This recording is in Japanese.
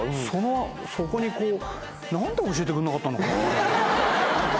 そこにこう何で教えてくんなかったのかな。